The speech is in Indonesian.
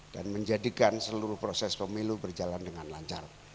dan menjadikan seluruh proses pemilu berjalan dengan lancar